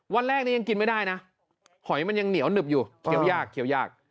วันแรกนี้ยังกินไม่ได้นะหอยมันยังเหนียวหนึบอยู่เคี้ยวยากเคี้ยวยาก